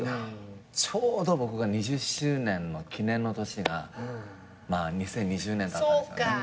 ちょうど僕が２０周年の記念の年が２０２０年だったんです。